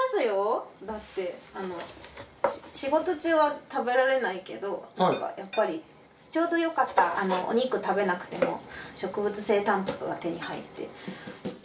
よだって仕事中は食べられないけどやっぱりちょうどよかったお肉食べなくても植物性たんぱくが手に入って。